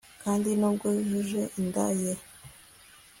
kandi, n'ubwo yujuje inda ye